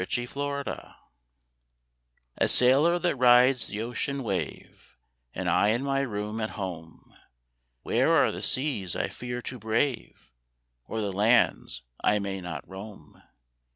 THE SAILOR A sailor that rides the ocean wave, Am I in my room at home : Where are the seas I iear to brave. Or the lands I may not roam?